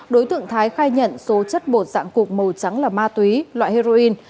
đối tượng thái khai nhận số chất bột dạng cục màu trắng là ma túy loại heroin